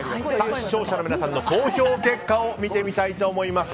視聴者の皆さんの投票結果を見てみたいと思います。